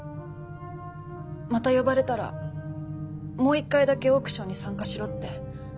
また呼ばれたらもう一回だけオークションに参加しろって。